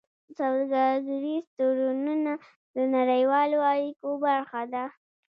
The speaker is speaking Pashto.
سوداګریز تړونونه د نړیوالو اړیکو برخه ده.